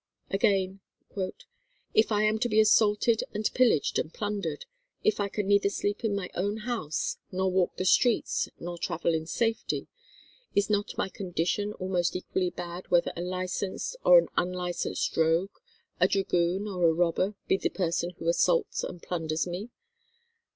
Again, "If I am to be assaulted and pillaged and plundered, if I can neither sleep in my own house, nor walk the streets, nor travel in safety, is not my condition almost equally bad whether a licensed or an unlicensed rogue, a dragoon or a robber, be the person who assaults and plunders me?"